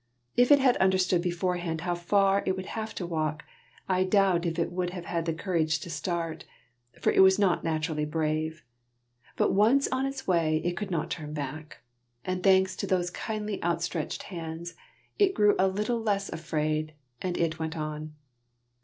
If it had understood beforehand how far it would have to walk, I doubt if it would have had the courage to start; for it was not naturally brave. But once on its way it could not turn back; and thanks to those kindly outstretched hands, it grew a little less afraid, and it went on.